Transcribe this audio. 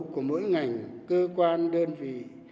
của mỗi ngành cơ quan đơn vị